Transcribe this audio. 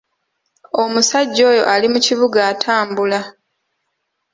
Omusajja oyo ali mu kibuga atambula.